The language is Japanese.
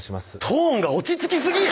トーンが落ち着きすぎ！